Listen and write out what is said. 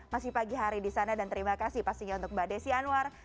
masih pagi hari di sana dan terima kasih pastinya untuk mbak desi anwar